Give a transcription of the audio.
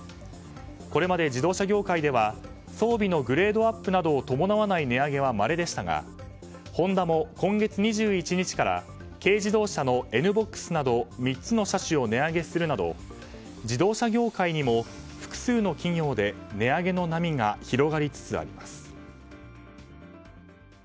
これまで自動車業界では、装備のグレードアップなどを伴わない値上げはまれでしたがホンダも今月２１日から軽自動車のＮ‐ＢＯＸなど３つの車種を値上げするなど自動車業界にも複数の企業で値上げの波が広がりつつあります。